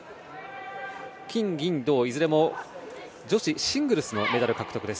金銀銅、いずれも女子シングルスのメダル獲得です。